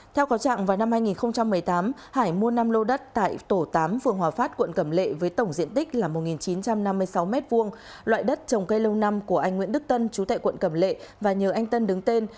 theo có trạng vào năm hai nghìn một mươi tám hải mua năm lô đất tại tổ tám phường hòa phát quận cẩm lệ với tổng diện tích là một chín trăm năm mươi sáu m hai loại đất trồng cây lâu năm của anh nguyễn đức tân chú tại quận cẩm lệ và nhờ anh tân đứng tên